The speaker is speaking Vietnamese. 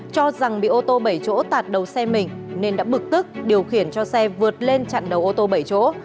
cho rằng bị ô tô bảy chỗ tạt đầu xe mình nên đã bực tức điều khiển cho xe vượt lên chặn đầu ô tô bảy chỗ